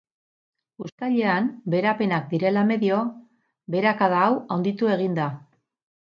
Uztailean, beherapenak direla medio, beherakada hau handitu egin da.